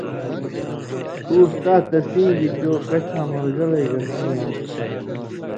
ݜُو اُستا تسیں گی چو کچھاں مرگلئ گتہ نی آن٘س